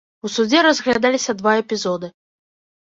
У судзе разглядаліся два эпізоды.